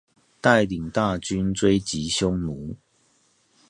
帶領大軍追擊匈奴